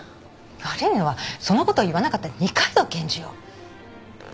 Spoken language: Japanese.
悪いのはその事を言わなかった二階堂検事よ。